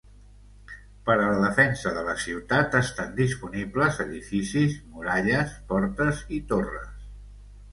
Per a la defensa de la ciutat estan disponibles edificis: muralles, portes i torres.